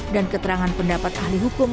dan keterangan pendapat ahli hukum